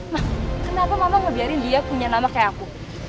ma kenapa mama mau biarin dia punya nama kayak aku